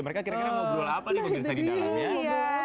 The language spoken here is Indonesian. mereka kira kira mau berulang apa nih mungkin saja di dalamnya